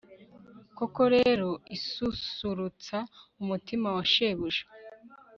koko rero, isusurutsa umutima wa shebuja